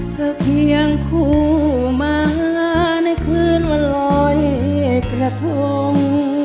เธอเพียงคู่มาในคืนวันรอยกระทง